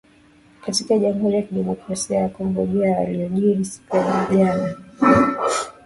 katika jamhuri ya kidemokrasia ya congo juu ya yaliojiri siku ya jana